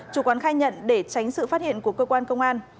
chủ quán khai nhận để tránh sự phát hiện của cơ quan công an